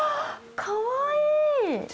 かわいい。